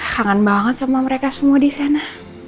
kangen banget sama mereka semua di sana